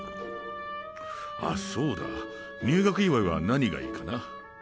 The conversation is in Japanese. あそうだ。入学祝いは何がいいかな？